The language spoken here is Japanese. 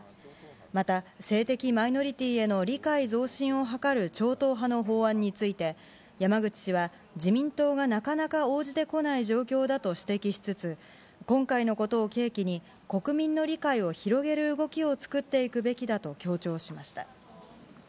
また、性的マイノリティーへの理解増進を図る超党派の法案について、山口氏は、自民党がなかなか応じてこない状況だと指摘しつつ、今回のことを契機に、国民の理解を広げる動きを作っていくべきだと強調しました。